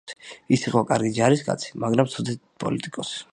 ის იყო კარგი ჯარისკაცი, მაგრამ ცუდი პოლიტიკოსი.